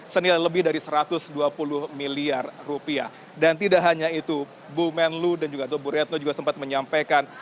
senilai lebih dari satu ratus dua puluh miliar rupiah dan tidak hanya itu ibu menlo dan juga ibu renno juga sempat menyampaikan